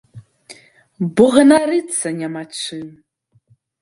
Бо ганарыцца няма чым.